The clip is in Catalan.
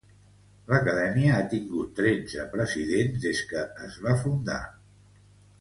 L'Acadèmia ha tingut tretze presidents des que es va fundar.